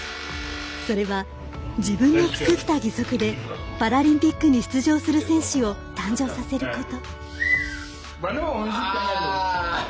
それは自分の作った義足でパラリンピックに出場する選手を誕生させること。